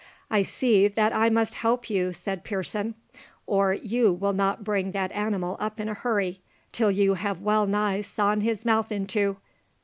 "I see that I must help you," said Pearson, "or you will not bring that animal up in a hurry, till you have well nigh sawn his mouth in two.